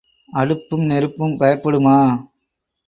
அடுப்பும் நெருப்பும் பயப்படுமா?